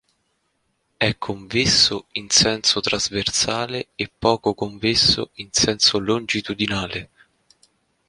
È convesso in senso trasversale e poco convesso in senso longitudinale.